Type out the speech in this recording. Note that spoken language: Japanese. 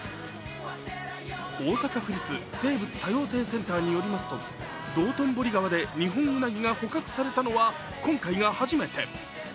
大阪府立生物多様性センターによりますと道頓堀川でニホンウナギが捕獲されたのは今回が初めて。